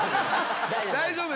大丈夫。